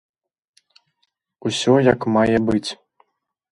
Усё як мае быць!